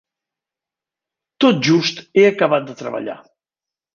Tot just he acabat de treballar.